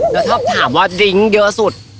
อ๋อแล้วทอบถามว่าดริงค์เดือดสุด